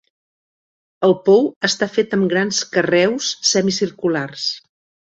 El pou està fet amb grans carreus semicirculars.